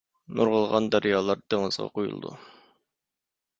نۇرغۇنلىغان دەريالار دېڭىزغا قۇيۇلىدۇ.